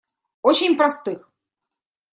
Очень простых.